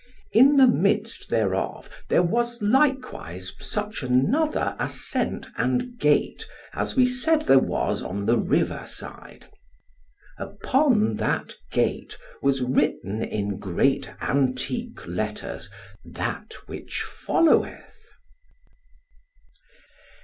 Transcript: In the midst thereof there was likewise such another ascent and gate as we said there was on the river side. Upon that gate was written in great antique letters that which followeth.